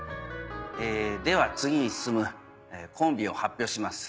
えでは次に進むコンビを発表します。